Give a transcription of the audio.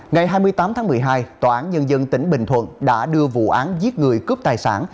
ngày hai mươi tám tháng một mươi hai tòa án nhân dân tỉnh bình thuận đã đưa vụ án giết người cướp tài sản